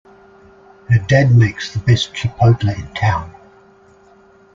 Her dad makes the best chipotle in town!